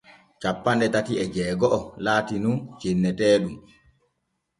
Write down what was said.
Cappanɗe tati e jeego’o laati nun cenneteeɗum.